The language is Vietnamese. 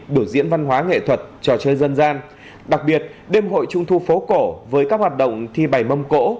biểu diễn văn hóa nghệ thuật trò chơi dân gian đặc biệt đêm hội trung thu phố cổ với các hoạt động thi bày mâm cổ